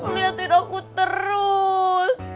liatin aku terus